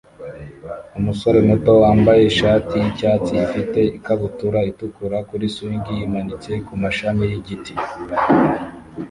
Umusore muto wambaye ishati yicyatsi afite ikabutura itukura kuri swing yimanitse kumashami yigiti